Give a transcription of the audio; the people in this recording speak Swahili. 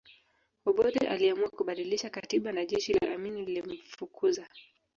Obote aliamua kubadilisha katiba na jeshi la Amini lilimfukuza